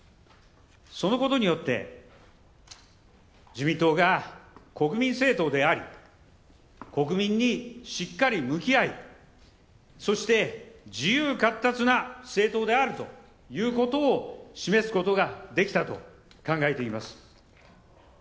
そのことによって、自民党が国民政党であり国民にしっかり向き合いそして、自由かっ達な政党であると示すことができたと考えています。